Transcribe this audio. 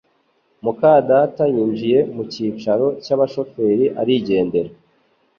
muka data yinjiye mu cyicaro cy'abashoferi arigendera